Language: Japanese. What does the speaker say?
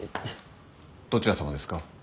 どちら様ですか？